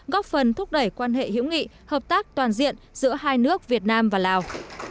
góp phần thúc đẩy quan hệ hữu nghị hợp tác toàn diện giữa hai nước việt nam và lào